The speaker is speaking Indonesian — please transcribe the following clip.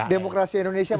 itu demokrasi indonesia pak